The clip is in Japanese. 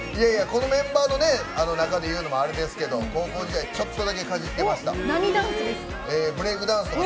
このメンバーの中で言うのもあれですけど高校時代ちょっとだけ何ダンスを？